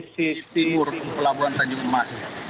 sisi timur pelabuhan tanjung emas